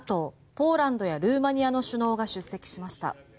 ポーランドやルーマニアの首脳が出席しました。